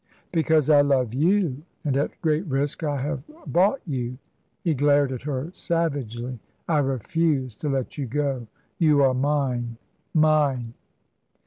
"Because I love you, and at great risk I have bought you." He glared at her savagely. "I refuse to let you go; you are mine mine."